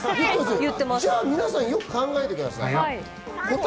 皆さんよく考えてください。